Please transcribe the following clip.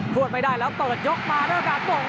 พูดไม่ได้แล้วเปิดยกมาด้วยการโบ่ง